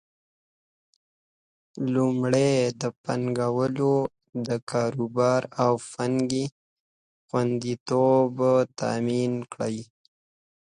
لومړی: د پانګوالو د کاروبار او پانګې خوندیتوب تامین کړي.